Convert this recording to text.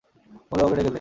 অমূল্যবাবুকে ডেকে দে।